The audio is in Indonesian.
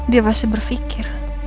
dia pasti berfikir